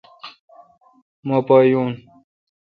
مہ پا یون۔